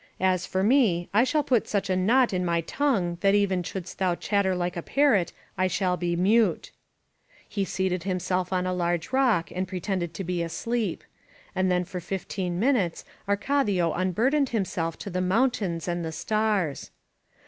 As for me, I shall put such a knot in my tongue that even shouldst thou chatter like a parrot I shall be mute." He seated himself on a large rock and 320 LOS PASTORES pretended to sleep; and then for fifteen n^inutes Ar cadio unburdened himself to the mountains and the stars.